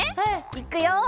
いくよ！